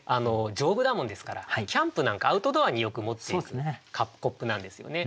丈夫だもんですからキャンプなんかアウトドアによく持っていくコップなんですよね。